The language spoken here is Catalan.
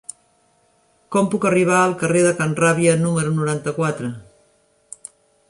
Com puc arribar al carrer de Can Ràbia número noranta-quatre?